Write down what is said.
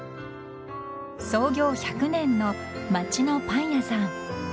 ［創業１００年の街のパン屋さん］